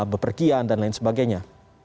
bepergian dan lain sebagainya